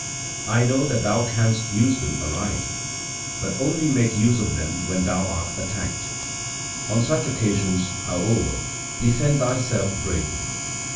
I know that thou canst use them aright; but only make use of them when thou art attacked; on such occasions, how over, defend thyself bravely.